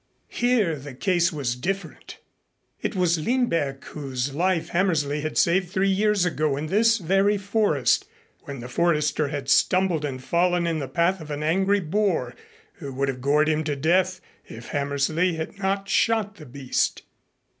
Here the case was different. It was Lindberg whose life Hammersley had saved three years ago in this very forest, when the Forester had stumbled and fallen in the path of an angry boar who would have gored him to death, if Hammersley had not shot the beast.